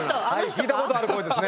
聞いたことある声ですね。